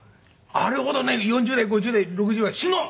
あれほどね４０代５０代６０代は「慎吾！